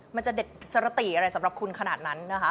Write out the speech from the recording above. มันจะเด็ดสรติอะไรสำหรับคุณขนาดนั้นนะคะ